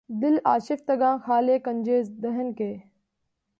دل آشفتگاں خالِ کنجِ دہن کے